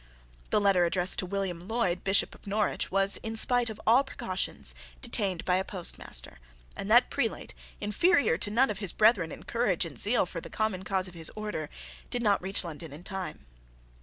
The letter addressed to William Lloyd, Bishop of Norwich, was, in spite of all precautions, detained by a postmaster; and that prelate, inferior to none of his brethren in courage and in zeal for the common cause of his order, did not reach London in time.